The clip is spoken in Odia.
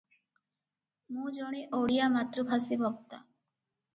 ମୁଁ ଜଣେ ଓଡ଼ିଆ ମାତୃଭାଷୀ ବକ୍ତା ।